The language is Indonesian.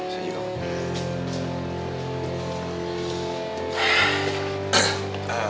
saya juga pak